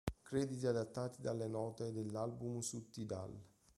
Crediti adattati dalle note dell'album su Tidal.